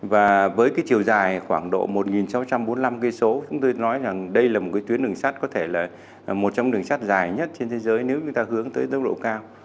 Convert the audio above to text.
và với chiều dài khoảng độ một nghìn sáu trăm bốn mươi năm km chúng tôi nói rằng đây là một trong những đường sắt dài nhất trên thế giới nếu chúng ta hướng tới tốc độ cao